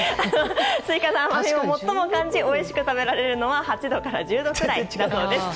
スイカの甘みを最も感じおいしく食べられるのは８度から１０度くらいだそうです。